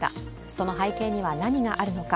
その背景には何があるのか。